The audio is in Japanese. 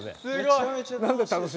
めちゃめちゃ楽しい。